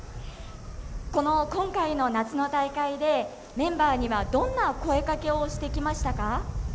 この今回の夏の大会でメンバーにはどんな声かけをしてきましたか？